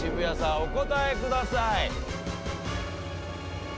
お答えください。